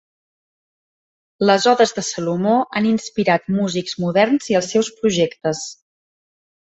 Les odes de Salomó han inspirat músics moderns i els seus projectes.